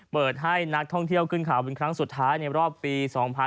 เปิดให้นักท่องเที่ยวขึ้นข่าวเป็นครั้งสุดท้ายในรอบปี๒๕๕๙